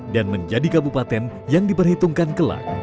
dan menjadi kabupaten yang diperhitungkan kelak